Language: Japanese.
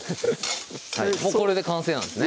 もうこれで完成なんですね